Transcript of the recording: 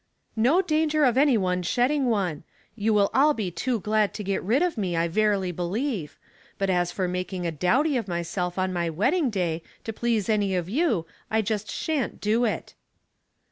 '* No danger of any one shedding one. You will all be too glad to get rid of me, I verily believe ; but as for making a dowdy of myself on my wedding day, to please any of you, I just shan't do it."